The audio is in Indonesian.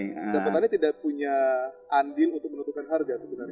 dan petani tidak punya andil untuk menutupkan harga